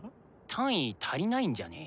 単位足りないんじゃね？